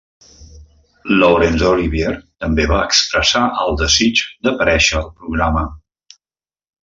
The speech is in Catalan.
Laurence Olivier també va expressar el desig d'aparèixer al programa.